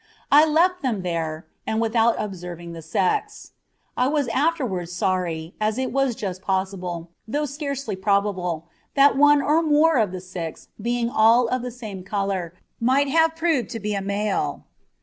I left them there, and without observing the sex. I was afterwards sorry, as it is just possible, though scarcely probable, that one or more of the six, being all of the same colour, might have proved to be a male.